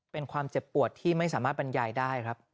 เป็นความเจ็บปวดที่ไม่สามารถบรรยายได้ครับ